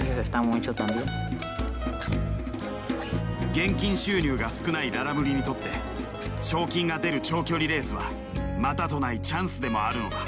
現金収入が少ないララムリにとって賞金が出る長距離レースはまたとないチャンスでもあるのだ。